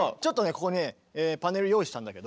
ここにねパネル用意したんだけど。